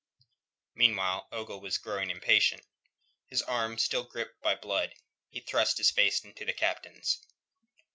Meanwhile Ogle was growing impatient. His arm still gripped by Blood, he thrust his face into the Captain's.